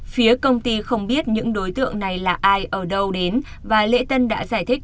phía công ty không biết những đối tượng này là ai ở đâu đến và lễ tân đã giải thích